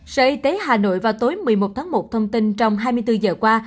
sở y tế hà nội vào tối một mươi một tháng một thông tin trong hai mươi bốn giờ qua